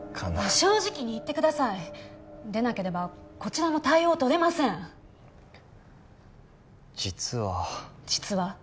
正直に言ってくださいでなければこちらも対応とれません実は実は？